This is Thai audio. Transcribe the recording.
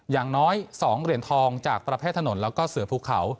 อย่างน้อย๒เหรียญทองจากประเภทถนนแล้วก็เสือภูเขา